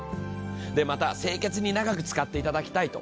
また清潔に長く使っていただきたいと。